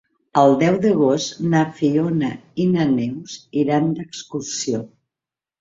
El deu d'agost na Fiona i na Neus iran d'excursió.